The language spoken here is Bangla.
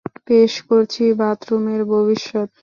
পেশ করছি বাথরুমের ভবিষ্যৎ।